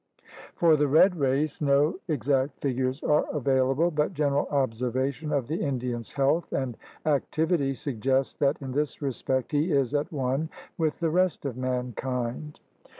For the red race, no THE APPROACHES TO AMERICA 9 exact figures are available, but general observation of the Indian's health and activity suggests that in this respect he is at one with the rest of mankind.